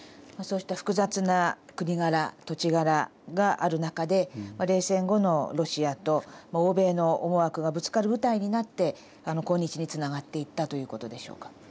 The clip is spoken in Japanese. そうした複雑な国柄土地柄がある中で冷戦後のロシアと欧米の思惑がぶつかる舞台になって今日につながっていったという事でしょうか。